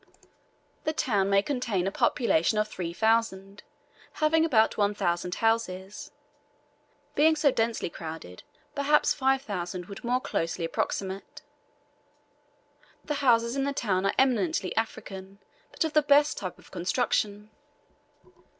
The town may contain a population of 3,000, having about 1,000 houses; being so densely crowded, perhaps 5,000 would more closely approximate. The houses in the town are eminently African, but of the best type of construction.